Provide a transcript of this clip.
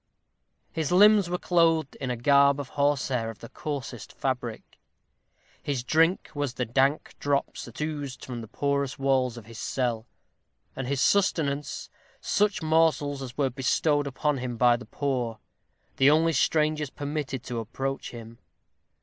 His limbs were clothed in a garb of horsehair of the coarsest fabric; his drink was the dank drops that oozed from the porous walls of his cell; and his sustenance, such morsels as were bestowed upon him by the poor the only strangers permitted to approach him.